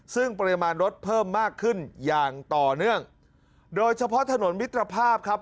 ซึ่งปริมาณรถเพิ่มมากขึ้นอย่างต่อเนื่องโดยเฉพาะถนนมิตรภาพครับ